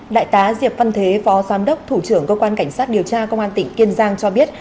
đại tá diệp văn thế phó giám đốc thủ trưởng cơ quan cảnh sát điều tra công an tỉnh kiên giang cho biết